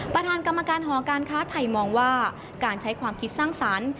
ประธานกรรมการหอการค้าไทยมองว่าการใช้ความคิดสร้างสรรค์